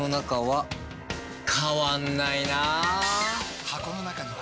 変わんないな！